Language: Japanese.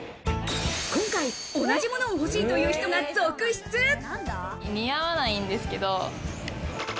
今回、同じものが欲しいとい似合わないんですけど。